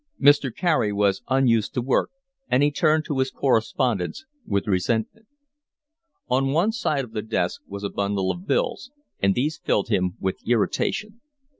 Mr. Carey was unused to work, and he turned to his correspondence with resentment. On one side of the desk was a bundle of bills, and these filled him with irritation.